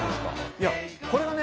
いやこれがね